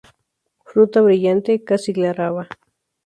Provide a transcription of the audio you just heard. Fruta brillante, casi glabra.